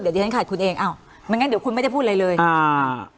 เดี๋ยวดิฉันขาดคุณเองอ้าวไม่งั้นเดี๋ยวคุณไม่ได้พูดอะไรเลยอ่า